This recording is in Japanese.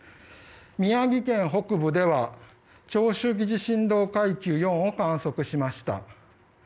宮城県北部では長周期振動階級４を観測しました。